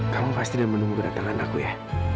kamu pasti dan menunggu kedatangan aku ya